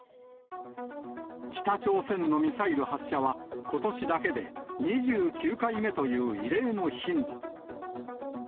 北朝鮮のミサイル発射は、ことしだけで２９回目という異例の頻度。